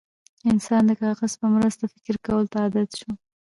انسان د کاغذ په مرسته فکر کولو ته عادت شو.